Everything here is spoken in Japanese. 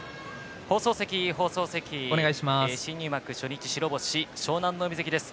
新入幕初日白星湘南乃海関です。